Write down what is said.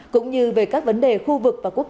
cũng như về các vấn đề khu vực và quốc tế cùng quan tâm